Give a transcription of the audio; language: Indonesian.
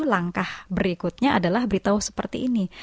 langkah berikutnya adalah beritahu seperti ini